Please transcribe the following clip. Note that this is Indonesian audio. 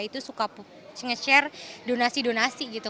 itu suka nge share donasi donasi gitu